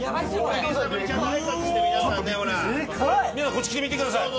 こっち来て見てください。